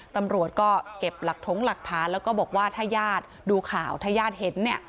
ตำรวจก็เก็บหลักถงหลักฐานแล้วก็บอกว่าถ้าญาติดูข่าวถ้าญาติเห็นเนี่ย